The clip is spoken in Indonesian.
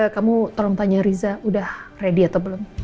kamu tolong tanya riza udah ready atau belum